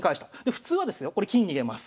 普通はですよこれ金逃げます。